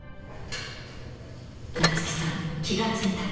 奈月さん、気が付いた。